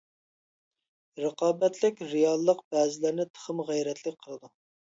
رىقابەتلىك رېئاللىق بەزىلەرنى تېخىمۇ غەيرەتلىك قىلىدۇ.